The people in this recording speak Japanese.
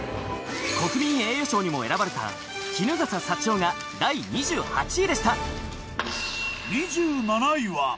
国民栄誉賞にも選ばれた衣笠祥雄が第２８位でした。